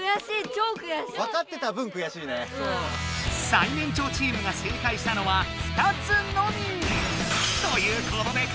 最年長チームが正解したのは２つのみ！